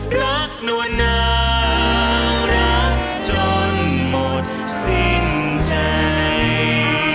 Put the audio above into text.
รักนวลนางรักจนหมดสิ้นใจ